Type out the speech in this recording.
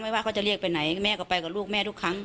ว่าเขาจะเรียกไปไหนแม่ก็ไปกับลูกแม่ทุกครั้ง